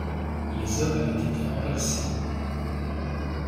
Les hommes avaient été renversés.